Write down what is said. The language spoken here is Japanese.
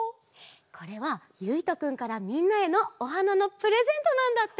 これはゆいとくんからみんなへのおはなのプレゼントなんだって。